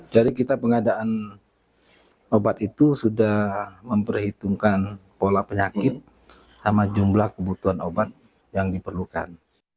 jadi kita pengadaan obat itu sudah memperhitungkan pola penyakit sama jumlah kebutuhan obat yang diperlukan